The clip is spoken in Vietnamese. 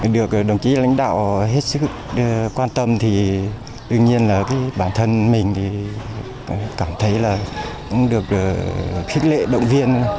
được đồng chí lãnh đạo hết sức quan tâm thì đương nhiên là bản thân mình thì cảm thấy là cũng được khích lệ động viên